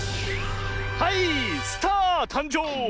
はいスターたんじょう！